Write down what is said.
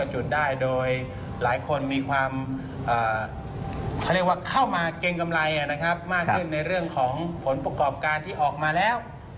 หลายคนมีความเข้ามาเก็งกำไรมากขึ้นในเรื่องของผลประกอบการที่ออกมาแล้ว